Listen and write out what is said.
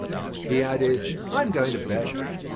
He added: "I am going to bed."